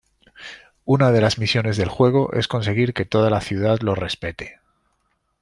Una de las misiones del juego es conseguir que toda la ciudad lo respete.